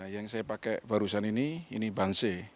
yang saya pakai barusan ini ini banse